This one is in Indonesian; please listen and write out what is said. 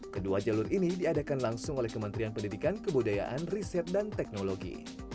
kedua jalur ini diadakan langsung oleh kementerian pendidikan kebudayaan riset dan teknologi